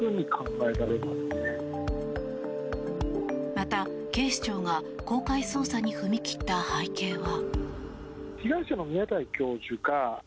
また、警視庁が公開捜査に踏み切った背景は。